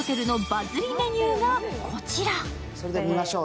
それでは、見ましょう。